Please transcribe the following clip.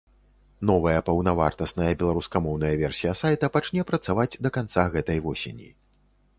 Новая паўнавартасная беларускамоўная версія сайта пачне працаваць да канца гэтай восені.